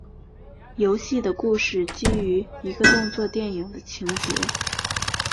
游戏的故事基于一个动作电影的情节。